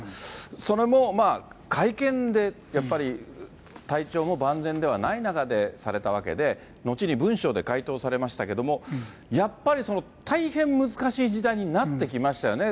それも会見でやっぱり体調も万全ではない中でされたわけで、後に文書で回答されましたけれども、やっぱり大変難しい時代になってきましたよね。